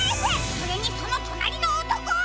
それにそのとなりのおとこは。